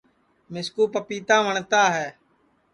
مِسکُو پَپیتا وٹؔتا ہے